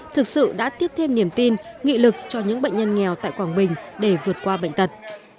thực sự đã tiếp thêm niềm tin nghị lực cho những bệnh nhân nghèo tại quảng bình để vượt qua bệnh tật